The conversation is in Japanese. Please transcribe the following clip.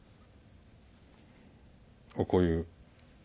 こういう。